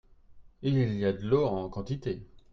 Il y a de l'eau en quantité.